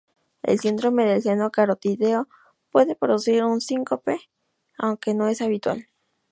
El síndrome del seno carotídeo puede producir un síncope, aunque no es habitual.